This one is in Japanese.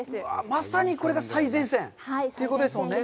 まさにこれが最前線、ということですよね。